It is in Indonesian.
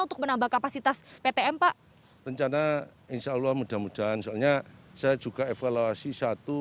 untuk menambah kapasitas ptm pak rencana insyaallah mudah mudahan soalnya saya juga evaluasi satu